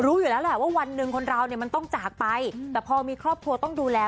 รู้อยู่แล้วแหละว่าวันหนึ่งคนเราเนี่ยมันต้องจากไปแต่พอมีครอบครัวต้องดูแล